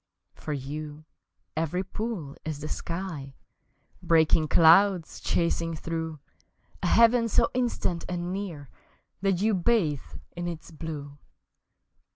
For you every pool is the sky, Breaking clouds chasing through, A heaven so instant and near That you bathe in its blue!